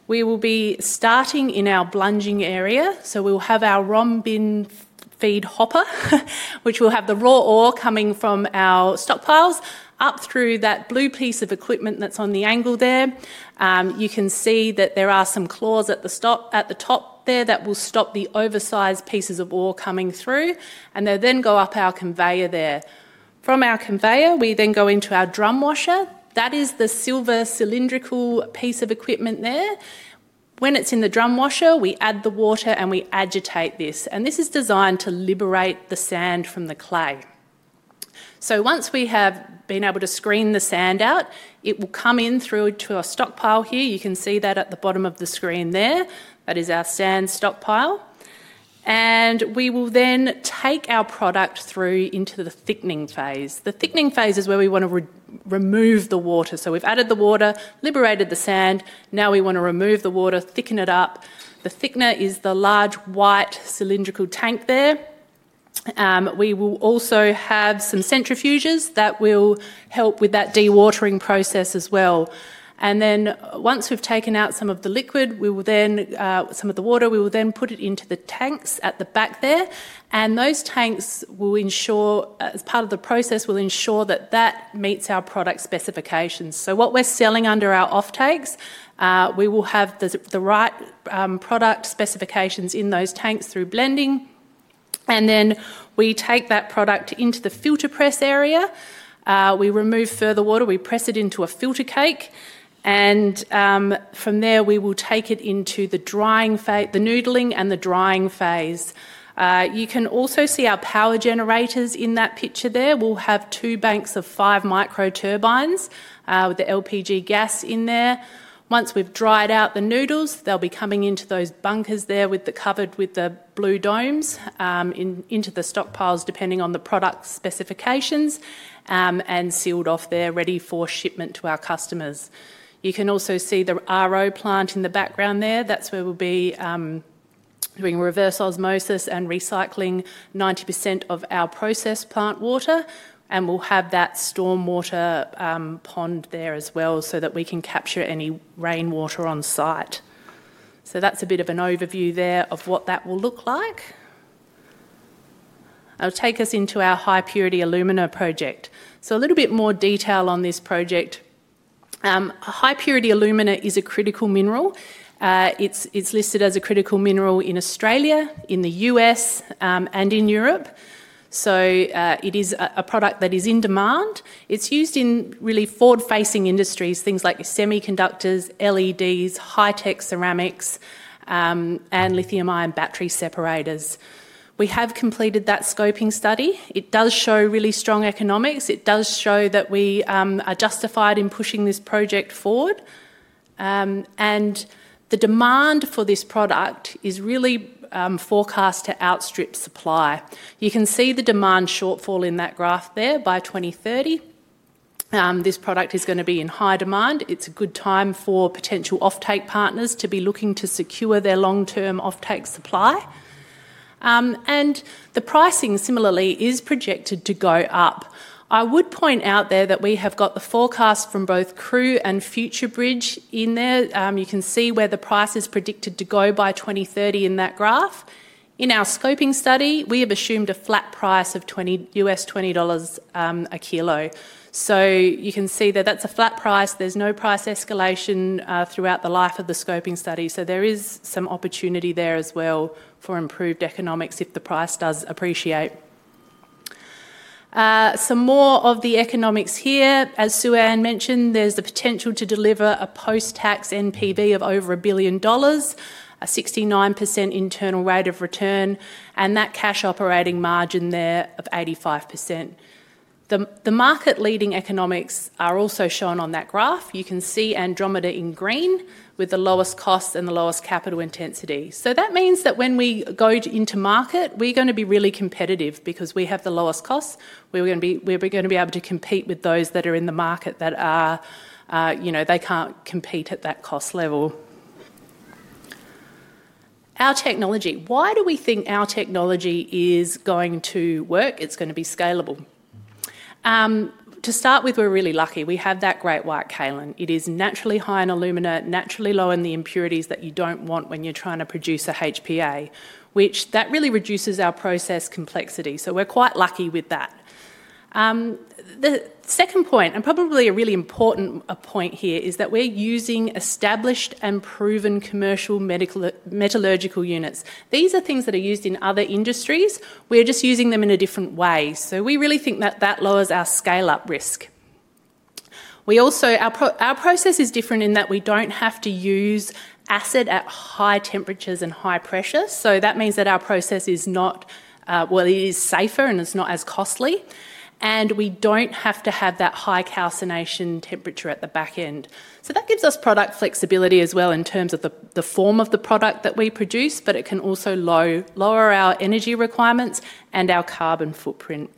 We will be starting in our blunging area. We will have our rongbin feed hopper, which will have the raw ore coming from our stockpiles up through that blue piece of equipment that is on the angle there. You can see that there are some claws at the top there that will stop the oversized pieces of ore coming through, and they will then go up our conveyor there. From our conveyor, we then go into our drum washer. That is the silver cylindrical piece of equipment there. When it is in the drum washer, we add the water and we agitate this. This is designed to liberate the sand from the clay. Once we have been able to screen the sand out, it will come in through to our stockpile here. You can see that at the bottom of the screen there. That is our sand stockpile. We will then take our product through into the thickening phase. The thickening phase is where we want to remove the water. We have added the water, liberated the sand. Now we want to remove the water, thicken it up. The thickener is the large white cylindrical tank there. We will also have some centrifuges that will help with that dewatering process as well. Once we have taken out some of the liquid, some of the water, we will then put it into the tanks at the back there. Those tanks will ensure, as part of the process, that it meets our product specifications. What we are selling under our offtakes, we will have the right product specifications in those tanks through blending. We take that product into the filter press area. We remove further water. We press it into a filter cake. From there, we will take it into the drying phase, the noodling and the drying phase. You can also see our power generators in that picture there. We'll have two banks of five micro turbines with the LPG gas in there. Once we've dried out the noodles, they'll be coming into those bunkers there covered with the blue domes into the stockpiles, depending on the product specifications, and sealed off there, ready for shipment to our customers. You can also see the RO plant in the background there. That's where we'll be doing reverse osmosis and recycling 90% of our process plant water. We'll have that stormwater pond there as well so that we can capture any rainwater on site. That is a bit of an overview there of what that will look like. I'll take us into our high-purity alumina project. A little bit more detail on this project. High-purity alumina is a critical mineral. It's listed as a critical mineral in Australia, in the U.S., and in Europe. It is a product that is in demand. It's used in really forward-facing industries, things like semiconductors, LEDs, high-tech ceramics, and lithium-ion battery separators. We have completed that scoping study. It does show really strong economics. It does show that we are justified in pushing this project forward. The demand for this product is really forecast to outstrip supply. You can see the demand shortfall in that graph there by 2030. This product is going to be in high demand. It's a good time for potential offtake partners to be looking to secure their long-term offtake supply. The pricing, similarly, is projected to go up. I would point out there that we have got the forecast from both Crewe and FutureBridge in there. You can see where the price is predicted to go by 2030 in that graph. In our scoping study, we have assumed a flat price of $20 a kilo. You can see that that is a flat price. There is no price escalation throughout the life of the scoping study. There is some opportunity there as well for improved economics if the price does appreciate. Some more of the economics here. As Sue-Ann mentioned, there is the potential to deliver a post-tax NPV of over a billion dollars, a 69% internal rate of return, and that cash operating margin there of 85%. The market-leading economics are also shown on that graph. You can see Andromeda in green with the lowest costs and the lowest capital intensity. That means that when we go into market, we're going to be really competitive because we have the lowest costs. We're going to be able to compete with those that are in the market that they can't compete at that cost level. Our technology. Why do we think our technology is going to work? It's going to be scalable. To start with, we're really lucky. We have that Great White Kaolin. It is naturally high in alumina, naturally low in the impurities that you don't want when you're trying to produce HPA, which really reduces our process complexity. We're quite lucky with that. The second point, and probably a really important point here, is that we're using established and proven commercial metallurgical units. These are things that are used in other industries. We're just using them in a different way. We really think that that lowers our scale-up risk. Our process is different in that we do not have to use acid at high temperatures and high pressure. That means that our process is safer and it is not as costly. We do not have to have that high calcination temperature at the back end. That gives us product flexibility as well in terms of the form of the product that we produce, but it can also lower our energy requirements and our carbon footprint.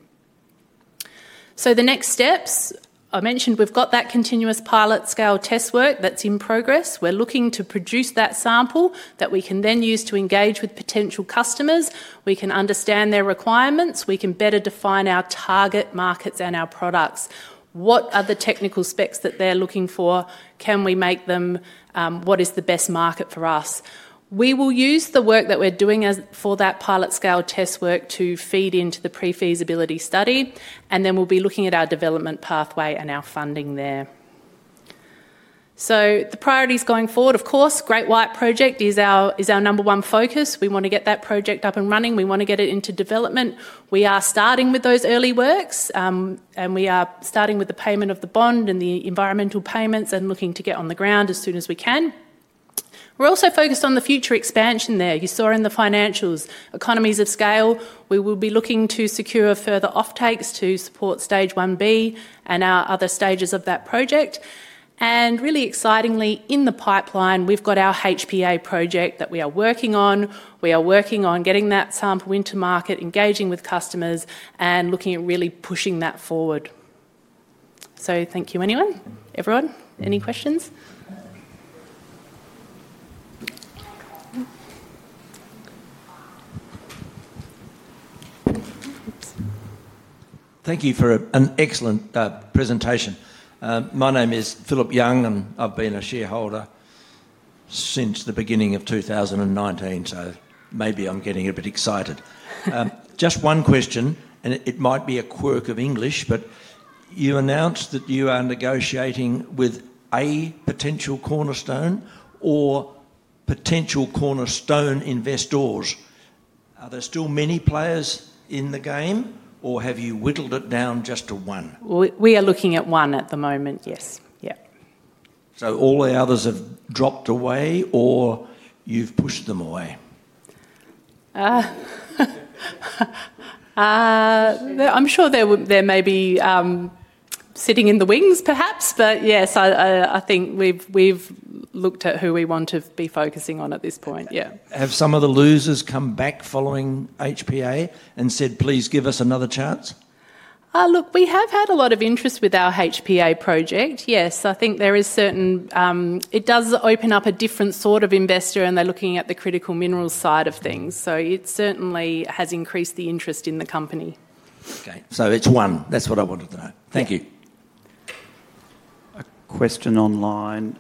The next steps, I mentioned, we have that continuous pilot scale test work that is in progress. We are looking to produce that sample that we can then use to engage with potential customers. We can understand their requirements. We can better define our target markets and our products. What are the technical specs that they are looking for? Can we make them? What is the best market for us? We will use the work that we're doing for that pilot scale test work to feed into the pre-feasibility study. We will be looking at our development pathway and our funding there. The priorities going forward, of course, Great White Project is our number one focus. We want to get that project up and running. We want to get it into development. We are starting with those early works, and we are starting with the payment of the bond and the environmental payments, and looking to get on the ground as soon as we can. We are also focused on the future expansion there. You saw in the financials, economies of scale. We will be looking to secure further offtakes to support stage 1B and our other stages of that project. Really excitingly, in the pipeline, we've got our HPA Project that we are working on. We are working on getting that sample into market, engaging with customers, and looking at really pushing that forward. Thank you, anyone. Everyone, any questions? Thank you for an excellent presentation. My name is Philip Young, and I've been a shareholder since the beginning of 2019, so maybe I'm getting a bit excited. Just one question, and it might be a quirk of English, but you announced that you are negotiating with a potential Cornerstone or potential Cornerstone Investors. Are there still many players in the game, or have you whittled it down just to one? We are looking at one at the moment, yes. Yeah. All the others have dropped away, or you've pushed them away? I'm sure there may be sitting in the wings, perhaps, but yes, I think we've looked at who we want to be focusing on at this point, yeah. Have some of the losers come back following HPA and said, "Please give us another chance"? Look, we have had a lot of interest with our HPA Project, yes. I think there is certain it does open up a different sort of investor, and they're looking at the critical mineral side of things. It certainly has increased the interest in the company. Okay. It is one. That's what I wanted to know. Thank you. A question online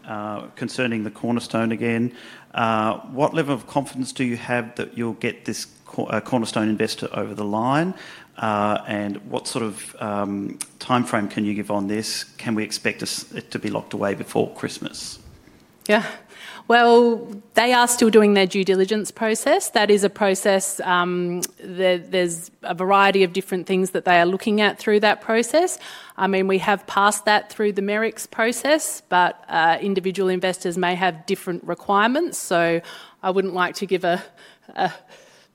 concerning the Cornerstone again. What level of confidence do you have that you'll get this Cornerstone Investor over the line? What sort of timeframe can you give on this? Can we expect it to be locked away before Christmas? Yeah. They are still doing their due diligence process. That is a process. There is a variety of different things that they are looking at through that process. I mean, we have passed that through the merits process, but individual investors may have different requirements. I would not like to give a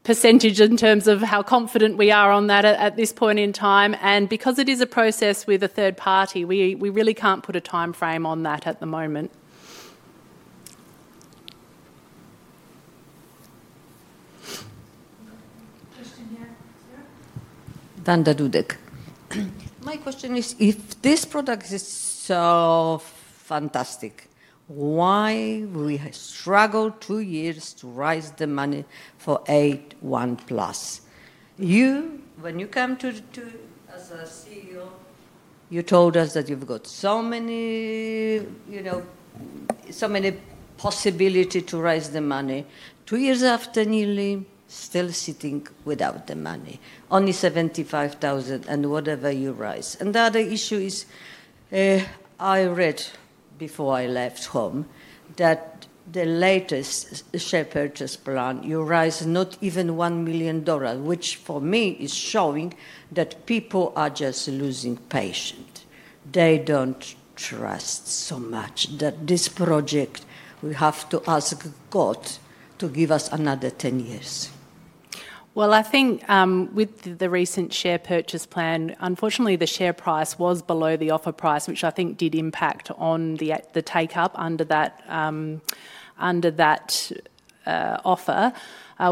percentage in terms of how confident we are on that at this point in time. Because it is a process with a third party, we really cannot put a timeframe on that at the moment. Justin here. Danda Dudek. My question is, if this product is so fantastic, why have we struggled two years to raise the money for 81 Plus? You, when you came to us as CEO, you told us that you have so many possibilities to raise the money. Two years after, nearly still sitting without the money, only 75,000 and whatever you raise. The other issue is I read before I left home that the latest share purchase plan, you raise not even 1 million dollars, which, for me is showing that people are just losing patience. They do not trust so much that this project, we have to ask God to give us another 10 years. I think with the recent share purchase plan, unfortunately, the share price was below the offer price, which I think did impact on the take-up under that offer.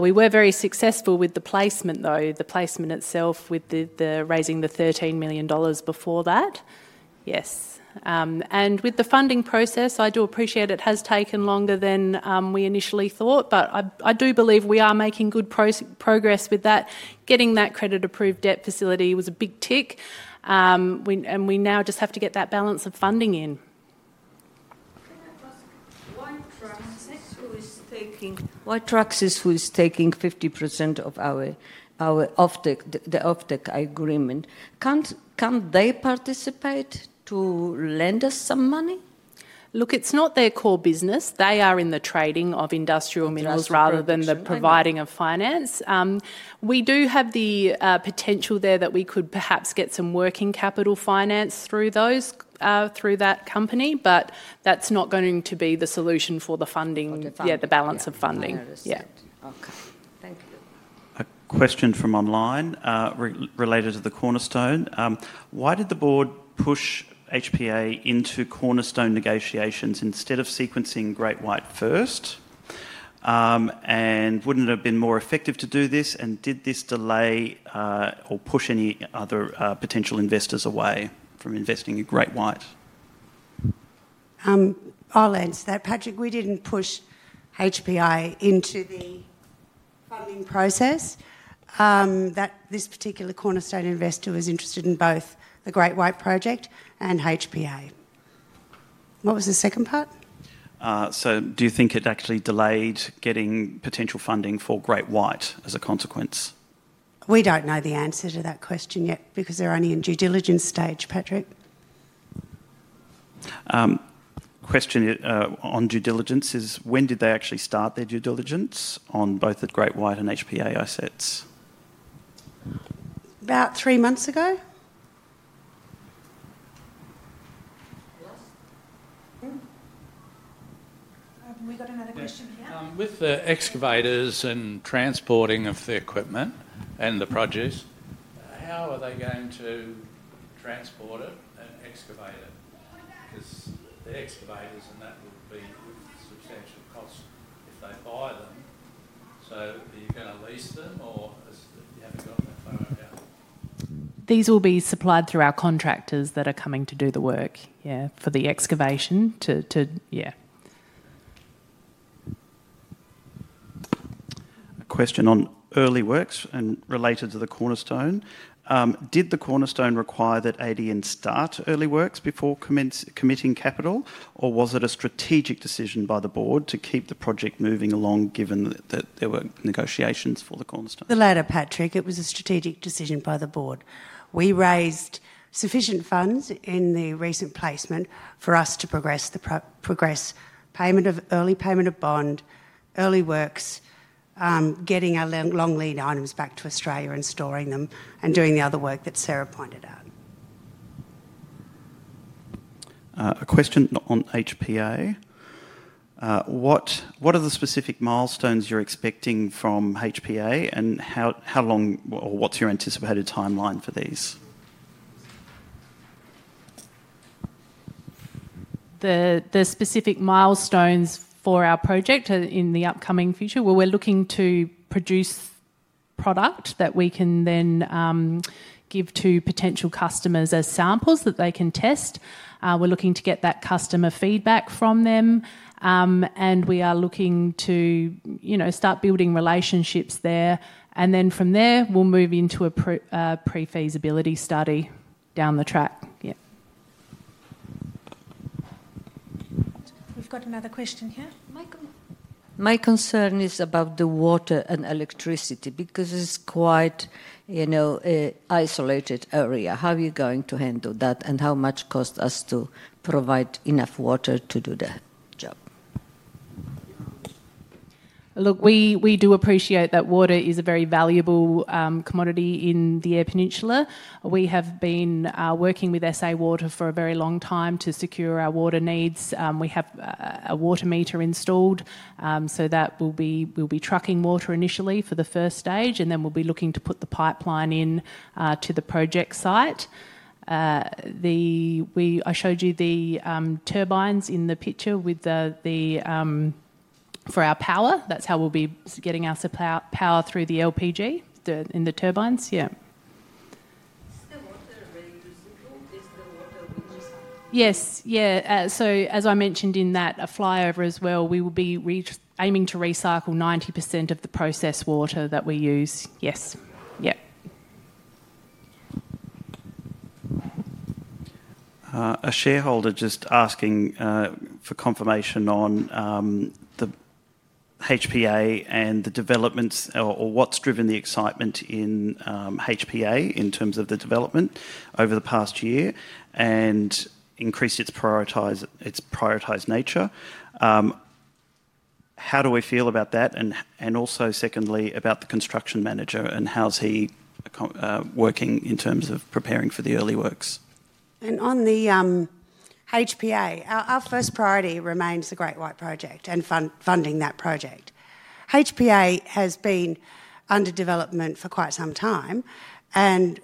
We were very successful with the placement, though the placement itself with the raising the 13 million dollars before that, yes. With the funding process, I do appreciate it has taken longer than we initially thought, but I do believe we are making good progress with that. Getting that credit-approved debt facility was a big tick, and we now just have to get that balance of funding in. Traxys, who is taking 50% of our offtake agreement. Can they participate to lend us some money? Look, it's not their core business. They are in the trading of industrial minerals rather than the providing of finance. We do have the potential there that we could perhaps get some working capital finance through that company, but that's not going to be the solution for the funding, yeah, the balance of funding. Yeah. Okay. Thank you. A question from online related to the Cornerstone. Why did the board push HPA into Cornerstone negotiations instead of sequencing Great White first? Wouldn't it have been more effective to do this? Did this delay or push any other potential investors away from investing in Great White? I'll answer that. Patrick, we didn't push HPA into the funding process. This particular Cornerstone Investor was interested in both the Great White Project and HPA. What was the second part? Do you think it actually delayed getting potential funding for Great White as a consequence? We do not know the answer to that question yet because they are only in due diligence stage, Patrick. Question on due diligence is, when did they actually start their due diligence on both the Great White and HPA assets? About three months ago. We have another question here. With the excavators and transporting of the equipment and the produce, how are they going to transport it and excavate it? Because the excavators and that will be substantial costs if they buy them. Are you going to lease them, or you have not got that far around? These will be supplied through our contractors that are coming to do the work for the excavation. A question on early works and related to the Cornerstone. Did the Cornerstone require that ADN start early works before committing capital, or was it a strategic decision by the board to keep the project moving along, given that there were negotiations for the Cornerstone? The latter, Patrick. It was a strategic decision by the board. We raised sufficient funds in the recent placement for us to progress payment of early payment of bond, early works, getting our long lead items back to Australia and storing them, and doing the other work that Sarah pointed out. A question on HPA. What are the specific milestones you're expecting from HPA, and how long or what's your anticipated timeline for these? The specific milestones for our project in the upcoming future, well, we're looking to produce product that we can then give to potential customers as samples that they can test. We're looking to get that customer feedback from them, and we are looking to start building relationships there. From there, we'll move into a pre-feasibility study down the track, yeah. We've got another question here. My concern is about the water and electricity because it's quite an isolated area. How are you going to handle that and how much costs us to provide enough water to do that job? Look, we do appreciate that water is a very valuable commodity in the Eyre Peninsula. We have been working with SA Water for a very long time to secure our water needs. We have a water meter installed, so that will be we'll be trucking water initially for the first stage, and then we'll be looking to put the pipeline into the project site. I showed you the turbines in the picture for our power. That's how we'll be getting our power through the LPG in the turbines, yeah. Is the water reusable? Is the water reusable? Yes, yeah. As I mentioned in that flyover as well, we will be aiming to recycle 90% of the processed water that we use, yes. Yeah. A shareholder just asking for confirmation on the HPA and the developments, or what's driven the excitement in HPA in terms of the development over the past year, and increased its prioritized nature. How do we feel about that? Also, secondly, about the construction manager and how's he working in terms of preparing for the early works? On the HPA, our first priority remains the Great White Project and funding that project. HPA has been under development for quite some time, and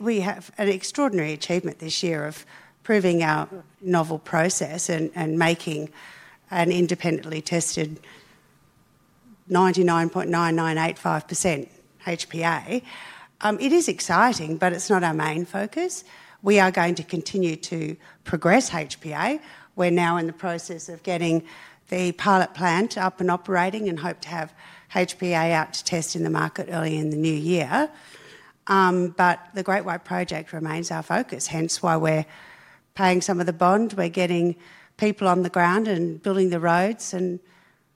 we have an extraordinary achievement this year of proving our novel process and making an independently tested 99.9985% HPA. It is exciting, but it's not our main focus. We are going to continue to progress HPA. We're now in the process of getting the pilot plant up and operating, and hope to have HPA out to test in the market early in the new year. The Great White Project remains our focus, hence why we're paying some of the bond. We're getting people on the ground and building the roads, and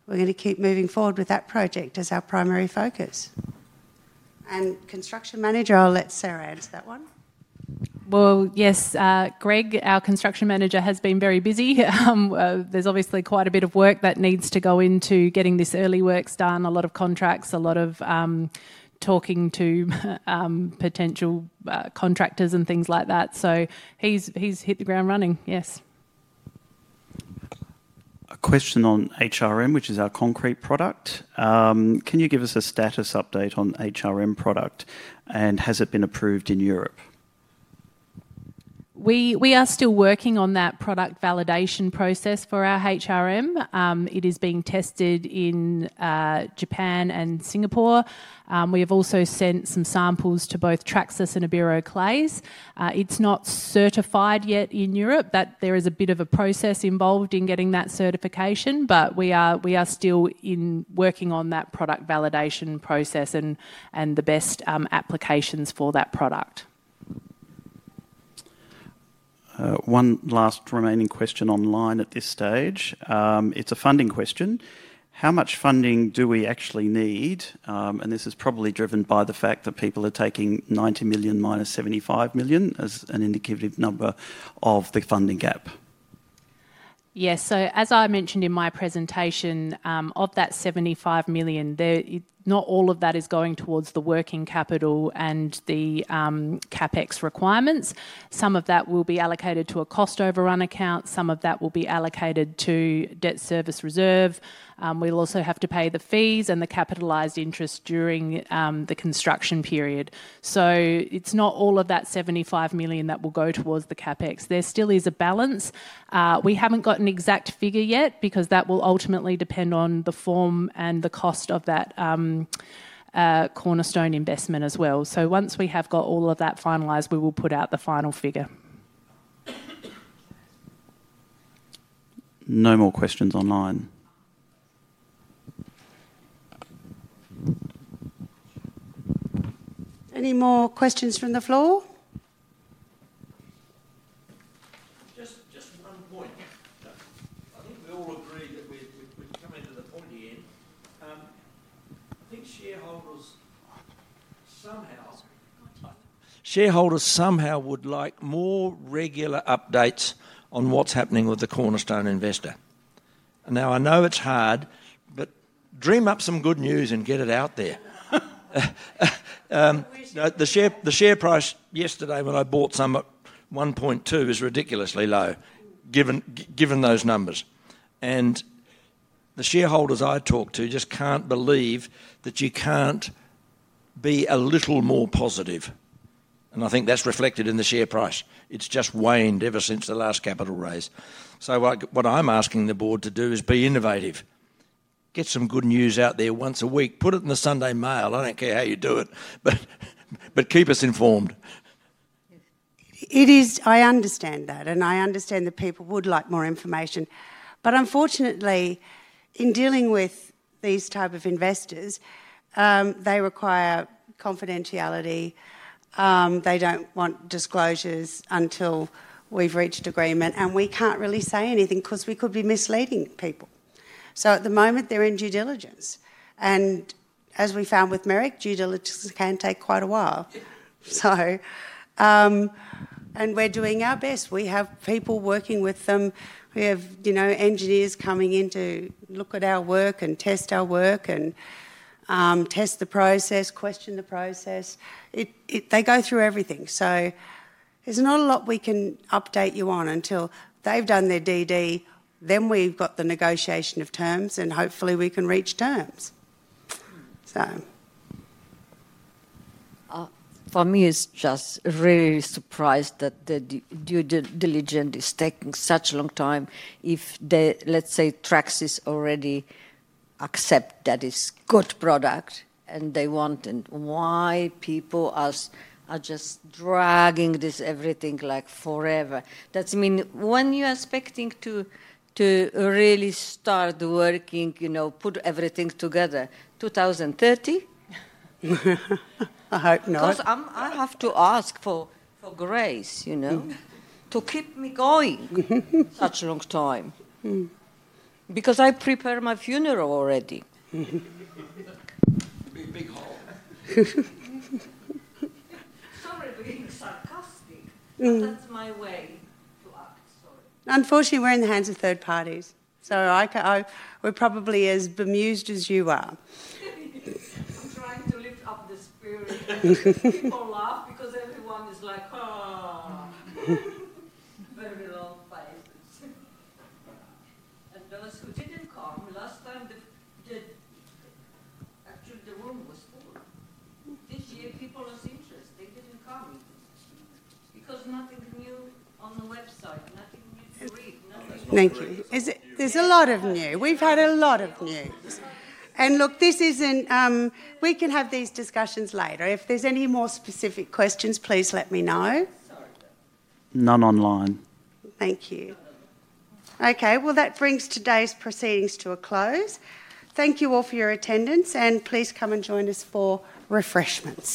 we're going to keep moving forward with that project as our primary focus. Construction manager, I'll let Sarah answer that one. Yes, Greg, our construction manager has been very busy. There's obviously quite a bit of work that needs to go into getting this early works done, a lot of contracts, a lot of talking to potential contractors, and things like that. He's hit the ground running, yes. A question on HRM, which is our concrete product. Can you give us a status update on HRM product, and has it been approved in Europe? We are still working on that product validation process for our HRM. It is being tested in Japan and Singapore. We have also sent some samples to both Traxys and Abiro Clays. It's not certified yet in Europe, but there is a bit of a process involved in getting that certification. But we are still working on that product validation process and the best applications for that product. One last remaining question online at this stage. It's a funding question. How much funding do we actually need? This is probably driven by the fact that people are taking 90 million minus 75 million as an indicative number of the funding gap. Yes. As I mentioned in my presentation, of that 75 million, not all of that is going towards the working capital and the CapEx requirements. Some of that will be allocated to a cost overrun account. Some of that will be allocated to debt service reserve. We will also have to pay the fees and the capitalized interest during the construction period. It is not all of that 75 million that will go towards the CapEx. There still is a balance. We have not got an exact figure yet because that will ultimately depend on the form and the cost of that Cornerstone investment as well. Once we have got all of that finalized, we will put out the final figure. No more questions online. Any more questions from the floor? Just one point. I think we all agree that we've come into the pointy end. I think shareholders somehow would like more regular updates on what's happening with the Cornerstone Investor. Now, I know it's hard, but dream up some good news and get it out there. The share price yesterday, when I bought some at 1.2, is ridiculously low given those numbers. The shareholders I talked to just can't believe that you can't be a little more positive. I think that's reflected in the share price. It's just waned ever since the last capital raise. What I'm asking the board to do is be innovative. Get some good news out there once a week. Put it in the Sunday mail. I don't care how you do it, but keep us informed. I understand that, and I understand that people would like more information. Unfortunately, in dealing with these types of investors, they require confidentiality. They don't want disclosures until we've reached agreement, and we can't really say anything because we could be misleading people. At the moment, they're in due diligence. As we found with Merricks, due diligence can take quite a while. We're doing our best. We have people working with them. We have engineers coming in to look at our work and test our work, and test the process, question the process. They go through everything. There's not a lot we can update you on until they've done their DD, then we've got the negotiation of terms, and hopefully, we can reach terms. For me, it's just really surprised that the due diligence is taking such a long time if, let's say, Traxys already accept that it's good product and they want it. Why people are just dragging this everything like forever? That means when you're expecting to really start working, put everything together, 2030? I hope not. Because I have to ask for grace to keep me going such a long time, because I prepared my funeral already. Sorry for being sarcastic, but that's my way to act, sorry. Unfortunately, we're in the hands of third parties, so we're probably as bemused as you are. I'm trying to lift up the spirit for laugh because everyone is like, "Oh, very long faces." Those who didn't come last time, actually, the room was full. This year, people are interested. They didn't come because nothing new on the website, nothing new to read, nothing new. Thank you. There's a lot of new. We've had a lot of new. Look, this isn't. We can have these discussions later. If there's any more specific questions, please let me know. None online. Thank you. That brings today's proceedings to a close. Thank you all for your attendance, and please come and join us for refreshments.